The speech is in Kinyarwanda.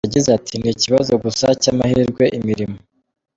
Yagize ati “Ni ikibazo gusa cy’amahirwe, imirimo .